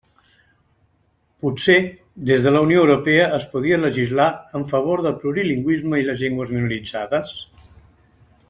Potser des de la Unió Europea es podria legislar en favor del plurilingüisme i les llengües minoritzades?